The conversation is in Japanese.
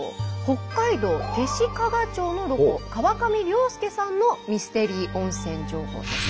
北海道弟子屈町のロコ川上椋輔さんのミステリー温泉情報です。